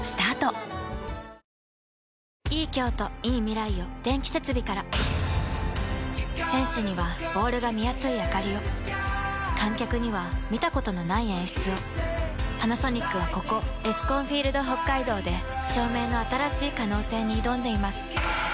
ゴイゴイスー‼選手にはボールが見やすいあかりを観客には見たことのない演出をパナソニックはここエスコンフィールドＨＯＫＫＡＩＤＯで照明の新しい可能性に挑んでいます